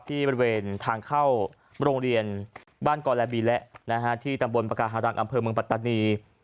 บริเวณทางเข้าโรงเรียนบ้านกรบีและที่ตำบลปากาฮารังอำเภอเมืองปัตตานี